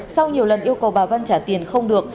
sau nhiều lần yêu cầu bà vân trả tiền không được